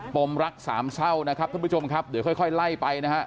มรักสามเศร้านะครับท่านผู้ชมครับเดี๋ยวค่อยไล่ไปนะฮะ